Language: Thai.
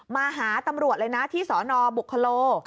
มาหาตำรวจเลยนะที่สนบุคโล